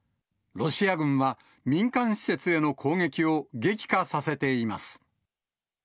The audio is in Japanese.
ロシア軍は民間施設への攻撃を激化させています。